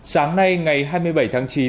sáng nay ngày hai mươi bảy tháng chín